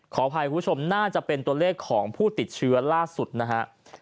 ขออภัยคุณผู้ชมน่าจะเป็นตัวเลขของผู้ติดเชื้อล่าสุดนะฮะ